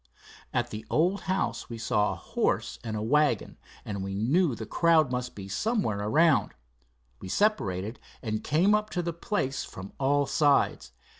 At the old house we saw a horse and wagon, and we knew the crowd must be somewhere around. We separated, and came up to the place from all sides.